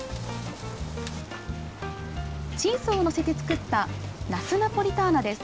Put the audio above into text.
チーズを載せて作ったナスナポリターナです。